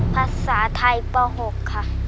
ภาษาไทยป๖ค่ะ